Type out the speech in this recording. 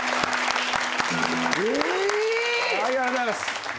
ありがとうございます。